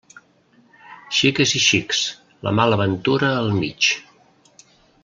Xiques i xics, la mala ventura al mig.